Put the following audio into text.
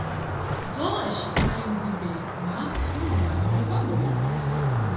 ბრძოლაში აიუბიდებმა სრული გამარჯვება მოიპოვეს.